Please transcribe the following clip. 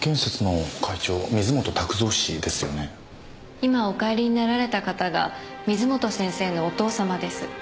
今お帰りになられた方が水元先生のお父様です。